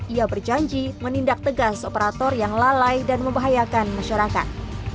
ia berjanji menindak tegas operator yang lalai dan membahayakan masyarakat